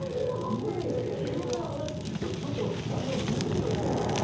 恋愛の話聞くと、ちょっとだんだん引いてきた。